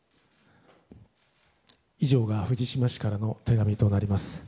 以上が藤島氏からの手紙となります。